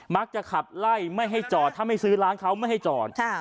มักจะขับไล่ไม่ให้จอดถ้าไม่ซื้อร้านเขาไม่ให้จอด